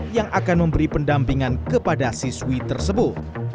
yang akan memberi pendampingan kepada siswi tersebut